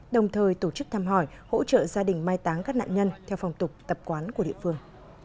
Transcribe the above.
đồng thời tổ chức thăm hỏi hỗ trợ gia đình mai táng các nạn nhân theo phòng tục tập quán của địa phương